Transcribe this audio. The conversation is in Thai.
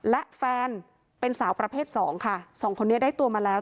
และแฟนเป็นสาวประเภทสองค่ะสองคนนี้ได้ตัวมาแล้ว